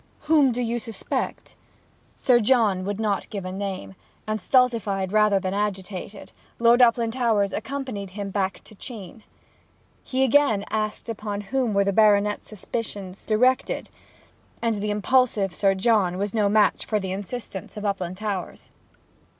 'Whom do you suspect?' Sir John would not give a name, and, stultified rather than agitated, Lord Uplandtowers accompanied him back to Chene. He again asked upon whom were the Baronet's suspicions directed; and the impulsive Sir John was no match for the insistence of Uplandtowers.